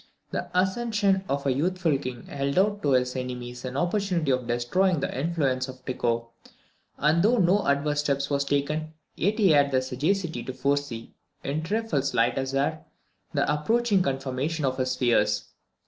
The accession of a youthful king held out to his enemies an opportunity of destroying the influence of Tycho; and though no adverse step was taken, yet he had the sagacity to foresee, in "trifles light as air," the approaching confirmation of his fears.